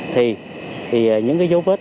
thì những cái dấu vết